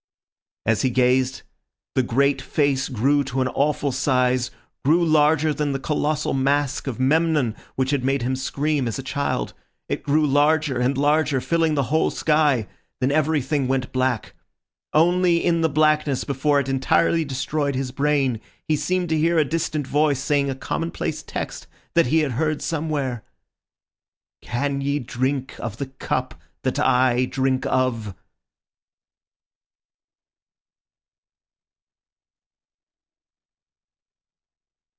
As he gazed, the great face grew to an awful size, grew larger than the colossal mask of Memnon, which had made him scream as a child. It grew larger and larger, filling the whole sky; then everything went black. Only in the blackness before it entirely destroyed his brain he seemed to hear a distant voice saying a commonplace text that he had heard somewhere, "Can ye drink of the cup that I drink of?"